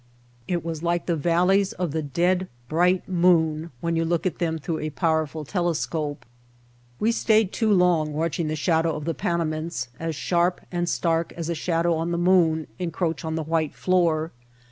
It was like the valleys on the dead, bright moon when you look at them through a powerful telescope. We stayed too long watching the shadow of the Panamints, as sharp and stark as a shadow on the moon, encroach on the white floor.